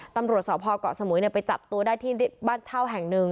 ตำรวจสพเกาะสมุยไปจับตัวได้ที่บ้านเช่าแห่งหนึ่ง